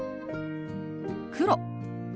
「黒」。